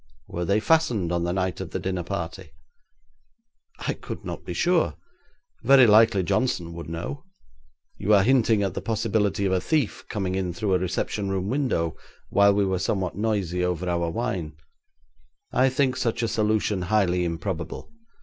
'Were they fastened on the night of the dinner party?' 'I could not be sure; very likely Johnson would know. You are hinting at the possibility of a thief coming in through a reception room window while we were somewhat noisy over our wine. I think such a solution highly improbable.